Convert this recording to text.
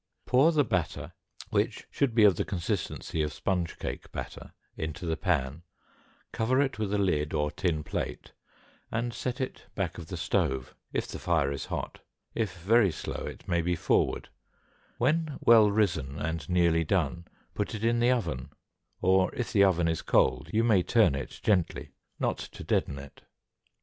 Pour the batter (which should be of the consistency of sponge cake batter) into the pan, cover it with a lid or tin plate, and set it back of the stove if the fire is hot if very slow it may be forward; when well risen and near done, put it in the oven, or if the oven is cold you may turn it gently, not to deaden it.